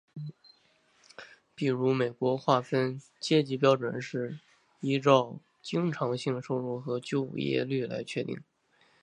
比如美国划分阶级标准是依照经常性收入和就业率来确定。